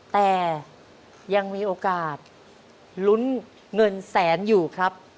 แต่ยังมีโอกาสลุ้นเงินแสนอยู่ครับ